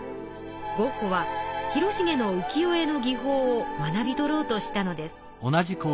ゴッホは広重の浮世絵の技法を学び取ろうとしたのです。